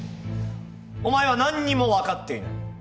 お前は何にも分かっていない。